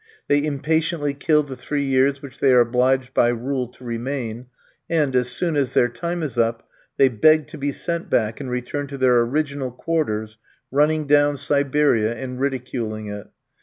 They impatiently kill the three years which they are obliged by rule to remain, and as soon as their time is up, they beg to be sent back, and return to their original quarters, running down Siberia, and ridiculing it.